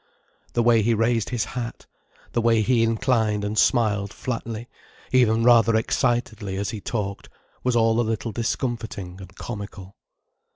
The way he raised his hat, the way he inclined and smiled flatly, even rather excitedly, as he talked, was all a little discomforting and comical.